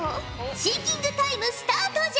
シンキングタイムスタートじゃ！